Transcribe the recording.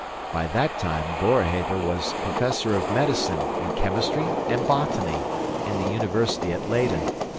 By that time Boerhaave was professor of medicine and chemistry and botany in the University at Leyden.